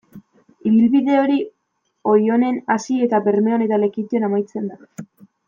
Ibilbide hori Oionen hasi eta Bermeon eta Lekeition amaitzen da.